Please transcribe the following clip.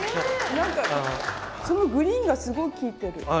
なんかそのグリーンがすごい効いてる。